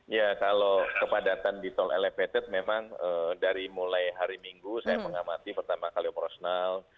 ya kalau kepadatan di tol elevated memang dari mulai hari minggu saya mengamati pertama kali operasional